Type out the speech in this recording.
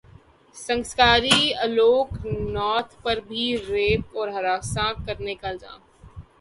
سنسکاری الوک ناتھ پر بھی ریپ اور ہراساں کرنے کا الزام